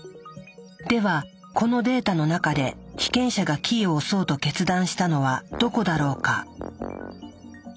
ではこのデータの中で被験者がキーを押そうと決断したのはどこだろうか？